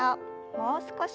もう少し。